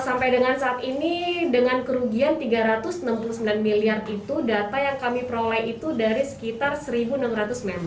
sampai dengan saat ini dengan kerugian tiga ratus enam puluh sembilan miliar itu data yang kami peroleh itu dari sekitar satu enam ratus member